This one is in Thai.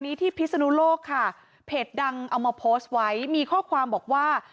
ที่พิศนุโลกค่ะเพจดังเอามาโพสต์ไว้มีข้อความบอกว่า